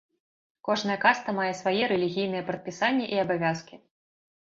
Кожная каста мае свае рэлігійныя прадпісанні і абавязкі.